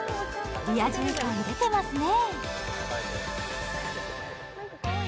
リア充感出てますね。